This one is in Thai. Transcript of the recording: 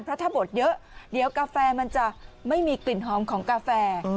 เพราะถ้าบดเยอะเดี๋ยวกาแฟมันจะไม่มีกลิ่นหอมของกาแฟ